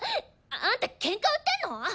あんたケンカ売ってんの！？